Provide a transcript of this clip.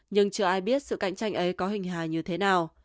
nhưng chưa ai biết sự cạnh tranh ấy có hình hài như thế nào